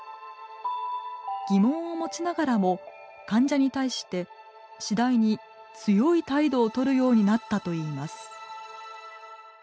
疑問を持ちながらも患者に対して次第に強い態度をとるようになったと言います。